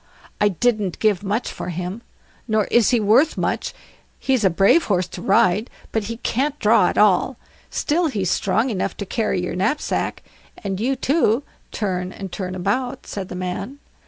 "I didn't give much for him, nor is he worth much; he's a brave horse to ride, but he can't draw at all; still he's strong enough to carry your knapsack and you too, turn and turn about", said the man.